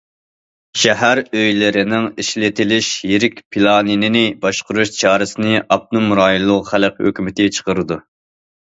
شەھەر ئۆيلىرىنىڭ ئىشلىتىلىش يىرىك پىلانىنى باشقۇرۇش چارىسىنى ئاپتونوم رايونلۇق خەلق ھۆكۈمىتى چىقىرىدۇ.